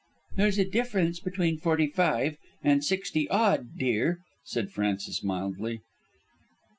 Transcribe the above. "There's a difference between forty five and sixty odd, dear," said Frances mildly.